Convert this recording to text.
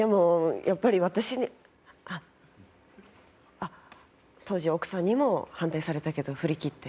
あっ当時奥さんにも反対されたけど振り切って？